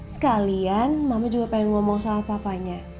sekalian mama juga pengen ngomong sama papanya